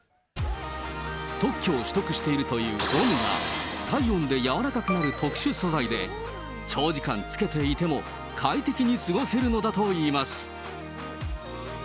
特許を取得しているというゴムは、体温で軟らかくなる特殊素材で、長時間着けていても快適に過ごせるのだといいます。